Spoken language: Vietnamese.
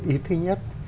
ý thứ nhất